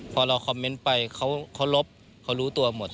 พอเราคอมเมนต์ไปเขาลบเขารู้ตัวหมด